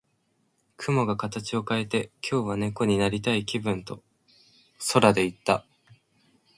雲が形を変えて、「今日は猫になりたい気分」と空で言った。